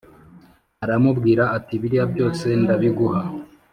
aramubwira ati Biriya byose ndabiguha